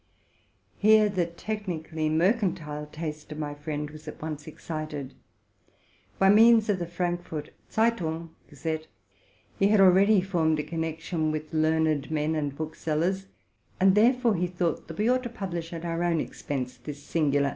Here the technically mercantile taste of my friend was at once excited. By means of the '' Frankfort Zeitung'' (Ga zette), he had already formed a connection with learned men and booksellers ; and therefore he thought that we ought to publish at our own expense this singular.